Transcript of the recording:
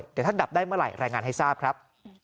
เดี๋ยวท่านดับได้เมื่อไหร่รายงานให้ทราบครับ